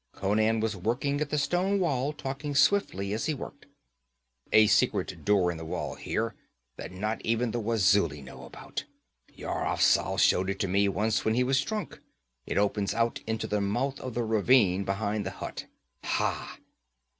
Conan was working at the stone wall, talking swiftly as he worked. 'A secret door in the wall here, that not even the Wazuli know about. Yar Afzal showed it to me once when he was drunk. It opens out into the mouth of the ravine behind the hut. Ha!'